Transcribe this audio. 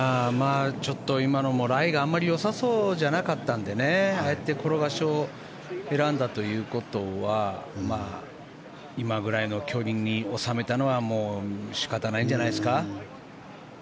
ちょっと今のもライがあまりよさそうじゃなかったのでああやって転がしを選んだということは今ぐらいの距離に収めたのはもう仕方ないんじゃないですか。